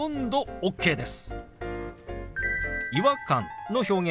ＯＫです。